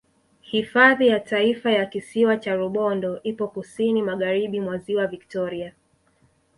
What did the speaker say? Hifadhi ya Taifa ya Kisiwa cha Rubondo ipo Kusini Magharibi mwa Ziwa Victoria